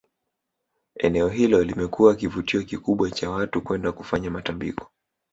Eneo hilo limekuwa kivutio kikubwa cha watu kwenda kufanya matambiko